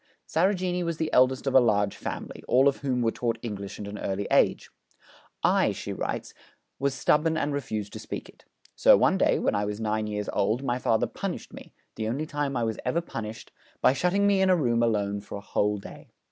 Sarojini was the eldest of a large family, all of whom were taught English at an early age. 'I,' she writes, 'was stubborn and refused to speak it. So one day, when I was nine years old, my father punished me the only time I was ever punished by shutting me in a room alone for a whole day.